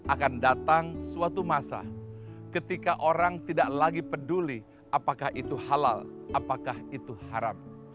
akan datang suatu masa ketika orang tidak lagi peduli apakah itu halal apakah itu haram